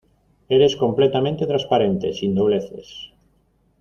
eres completamente transparente, sin dobleces.